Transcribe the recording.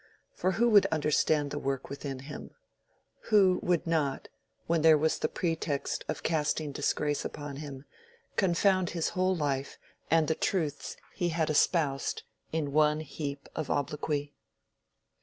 For who would understand the work within him? Who would not, when there was the pretext of casting disgrace upon him, confound his whole life and the truths he had espoused, in one heap of obloquy?